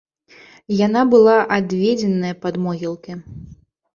Яна была адведзеная пад могілкі.